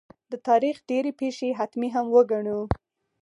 د تاریخ ډېرې پېښې حتمي هم وګڼو.